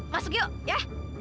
masuk yuk ya